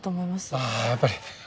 ああやっぱり。